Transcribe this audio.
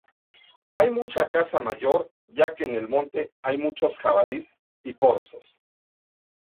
Hay mucha caza mayor, ya que en el monte hay muchos jabalíes y corzos.